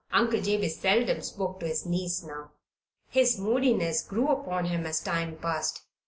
Uncle Jabez seldom spoke to his niece now. His moodiness grew upon him as time passed.